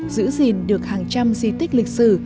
giữ gìn được hàng trăm di tích lịch sử